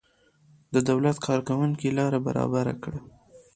د دولت کارکوونکیو لاره برابره کړه.